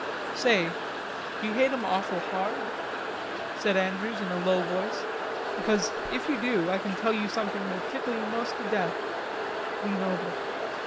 "Say, d'you hate 'em awful hard?" said Andrews in a low voice. "Because, if you do, I can tell you something will tickle you most to death.... Lean over."